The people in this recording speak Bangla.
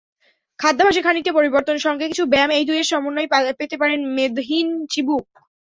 খাদ্যাভ্যাসে খানিকটা পরিবর্তন, সঙ্গে কিছু ব্যায়াম—এই দুইয়ের সমন্বয়েই পেতে পারেন মেদহীন চিবুক।